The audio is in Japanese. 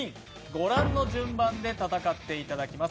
ご覧の順番で戦っていただきます。